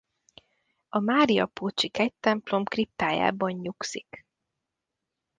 A máriapócsi kegytemplom kriptájában nyugszik.